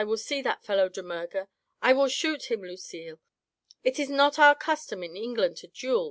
will see that fellow De Murger. I will shoot him, Lucille. It is not our custom in England to duel.